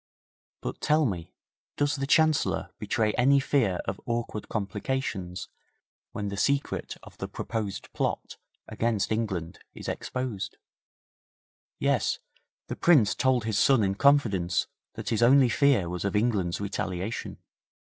But tell me, does the Chancellor betray any fear of awkward complications when the secret of the proposed plot against England is exposed?' 'Yes. The Prince told his son in confidence that his only fear was of England's retaliation.